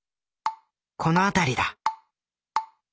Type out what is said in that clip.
この辺りだ。